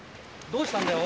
どうしたんだよ？